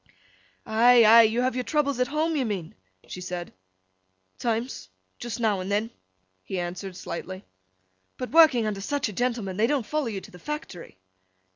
'Ay, ay! You have your troubles at home, you mean?' she said. 'Times. Just now and then,' he answered, slightly. 'But, working under such a gentleman, they don't follow you to the Factory?